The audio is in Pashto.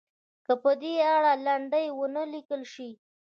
که په دې اړه لنډۍ ونه لیکل شي.